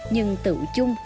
nhưng tựu chung